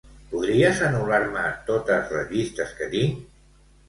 Podries anul·lar-me totes les llistes que tinc?